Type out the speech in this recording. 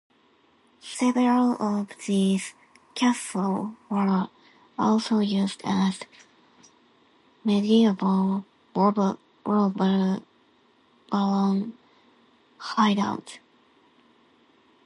Several of these castles were also used as medieval robber baron hideouts.